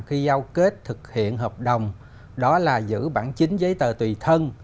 khi giao kết thực hiện hợp đồng đó là giữ bản chính giấy tờ tùy thân